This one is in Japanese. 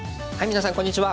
皆さんこんにちは。